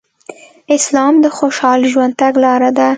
اسلام د خوشحاله ژوند تګلاره ده